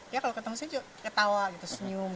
ya kalau ketemu saya ketawa senyum